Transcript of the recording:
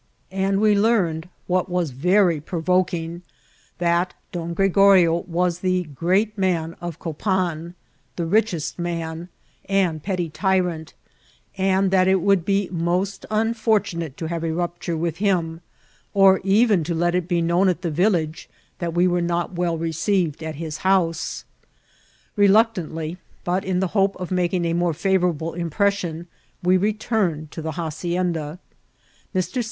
And we learned, what was very provoking, that Don Grego rio was the great man of Copan ; the richest man, and the petty tyrant ; and that it would be most unfortunate to have a rupture with him, or even to let it be known at the village that we were not well received at his house. Keluctantly, but in the hope of making a more favourable impression, we returned to the hacienda. Mr.